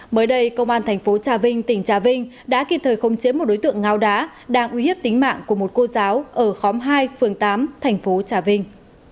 mới đây công an tp chà vinh tỉnh chà vinh đã kịp thời không chế một đối tượng ngáo đá đang uy hiếp tính mạng của một cô giáo ở khóm hai phường tám tp chà vinh